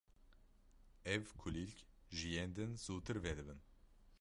Ev kulîlk ji yên din zûtir vedibin.